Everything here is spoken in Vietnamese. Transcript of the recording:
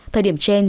thời điểm trên